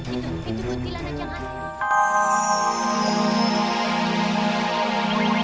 itu itu putil anak yang asli